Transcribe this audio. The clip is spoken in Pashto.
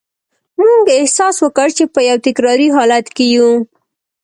موږ احساس وکړ چې په یو تکراري حالت کې یو